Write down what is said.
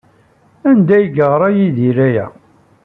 Anda ay yeɣra Yidri aya?